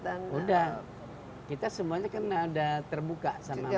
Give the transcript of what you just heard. sudah kita semuanya kan sudah terbuka